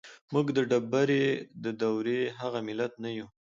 موږ د ډبرې د دورې هغه ملت نه يو.